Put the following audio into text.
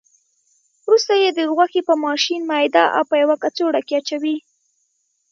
وروسته یې د غوښې په ماشین میده او په یوه کڅوړه کې اچوي.